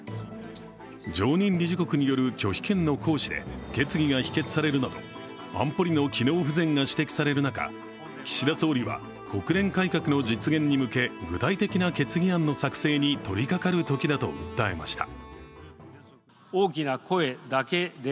常任理事国による拒否権の行使で決議が否決されるなど安保理の機能不全が指摘される中、岸田総理は国連改革の実現に向け具体的な決議案の作成に取りかかるときだと訴えました。